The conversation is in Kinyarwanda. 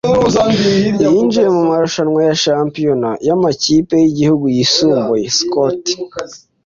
yinjiye mu marushanwa ya shampiyona yamakipe yigihugu yisumbuye. (scott